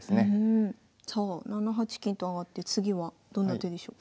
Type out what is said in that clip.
さあ７八金と上がって次はどんな手でしょうか？